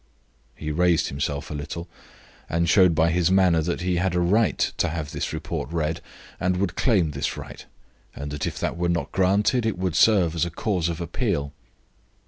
He raised himself a little, and showed by his manner that he had a right to have this report read, and would claim this right, and that if that were not granted it would serve as a cause of appeal.